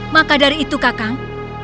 maka dari itu kakang